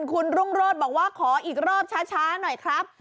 คุณรุ่งโรธบอกว่าขออีกรอบช้าหน่อยครับ